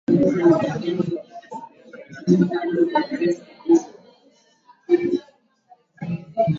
Msemaji wa Shujaa, Kanali Mak Hazukay aliliambia shirika la habari kuwa majeshi ya Kongo na Uganda yalitia saini Juma mosi